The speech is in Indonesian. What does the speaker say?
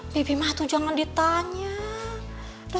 bibi ma itu jangan ditanya